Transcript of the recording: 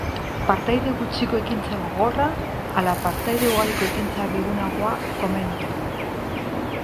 Partaide gutxiko ekintza gogorragoa ala partaide ugariko ekintza bigunagoa komeni da?